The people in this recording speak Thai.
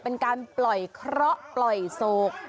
เป็นการปล่อยเคราะห์ปล่อยโศก